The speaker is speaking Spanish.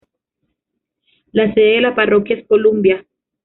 La sede de la parroquia es Columbia.